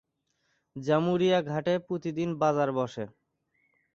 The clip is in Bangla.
জামুরিয়া হাটে প্রতিদিন বাজার বসে।